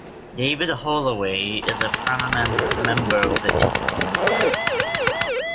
David Holloway is a prominent member of the institute.